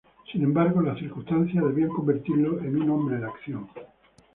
Sin embargo, las circunstancias debían convertirlo en un hombre de acción.